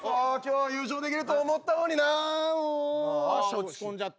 落ち込んじゃった。